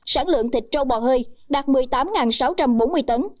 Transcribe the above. sản lượng thịt trâu bò hơi đạt một mươi tám sáu trăm bốn mươi tấn